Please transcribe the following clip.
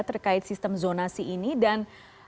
terkait sistem zonasi ini dan